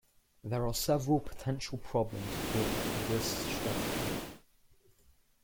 There are several potential problems with this strategy.